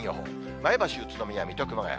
前橋、宇都宮、水戸、熊谷。